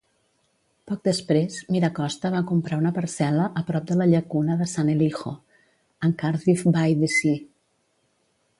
Poc després, MiraCosta va comprar una parcel·la a prop de la llacuna de San Elijo, en Cardiff-by-the-Sea.